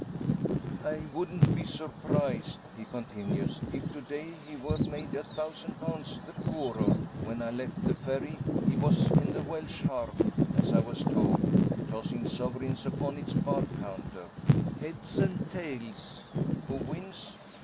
"I wouldn't be surprised," he continues, "if to day he were made a thousand pounds the poorer. When I left the Ferry he was in the Welsh Harp, as I was told, tossing sovereigns upon its bar counter, `Heads and tails, who wins?'